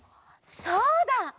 そうだ！